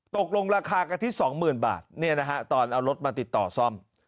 ตกลงราคากระทิตสองหมื่นบาทเนี่ยนะฮะตอนเอารถมาติดต่อซ่อม